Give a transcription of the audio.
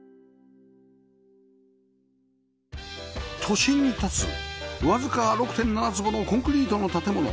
都心に立つわずか ６．７ 坪のコンクリートの建物